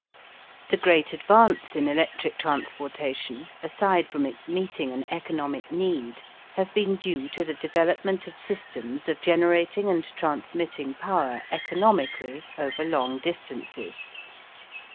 The great advance in electric transportation, aside from its meeting an economic need, has been due to the development of systems of generating and transmitting power economically over long distances.